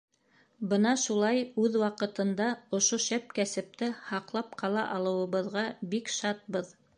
Бына шулай, үҙ ваҡытында ошо шәп кәсепте һаҡлап ҡала алыуыбыҙға бик шатбыҙ.